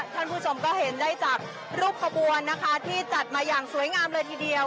ท่านผู้ชมก็เห็นได้จากรูปขบวนนะคะที่จัดมาอย่างสวยงามเลยทีเดียว